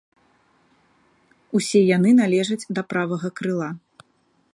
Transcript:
Усе яны належаць да правага крыла.